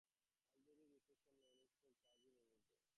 A legacy of depression and loneliness led to a tragic and untimely death.